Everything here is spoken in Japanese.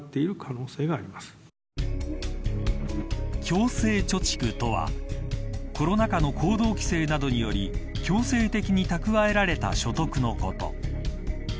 強制貯蓄とはコロナ禍の行動規制などにより強制的に蓄えられた所得のこと。